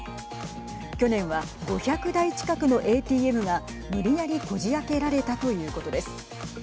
去年は５００台近くのＡＴＭが無理やりこじあけられたということです。